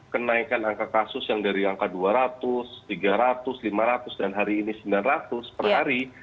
kenaikan angka kasus yang dari angka dua ratus tiga ratus lima ratus dan hari ini sembilan ratus per hari